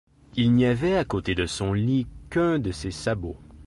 Il n'y avait à côté de son lit qu'un de ses sabots.